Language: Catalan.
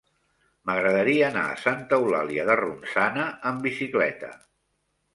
M'agradaria anar a Santa Eulàlia de Ronçana amb bicicleta.